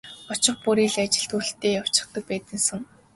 Очих бүрий л ажил төрөлтэй явчихсан байдаг сан.